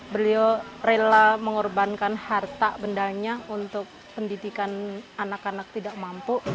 beliau rela mengorbankan harta bendanya untuk pendidikan anak anak tidak mampu